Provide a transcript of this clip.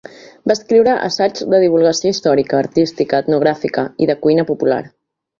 Va escriure assaigs de divulgació històrica, artística, etnogràfica i de cuina popular.